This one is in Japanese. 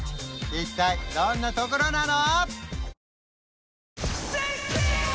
一体どんなところなの？